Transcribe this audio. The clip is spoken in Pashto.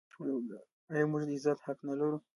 آیا موږ د عزت حق نلرو؟